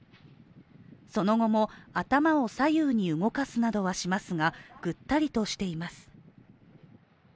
その後も頭を左右に動かすなどはしますがぐったりとしています。